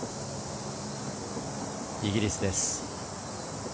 イギリスです。